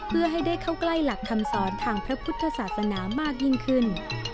เพื่อให้ได้เข้าใกล้หลักคำสอนทางพระพุทธศาสนามากยิ่งขึ้น